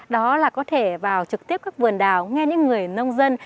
đó là có thể vào trực tiếp các vườn đào nghe những người nông dân